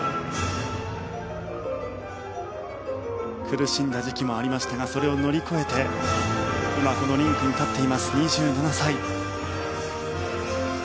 苦しんだ時期もありましたがそれを乗り越えて今このリンクに立っています２７歳。